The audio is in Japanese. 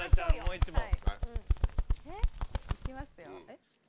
はいいきますよ。